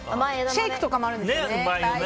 シェイクとかもあるんですよね。